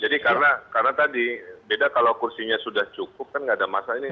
jadi karena tadi beda kalau kursinya sudah cukup kan tidak ada masalah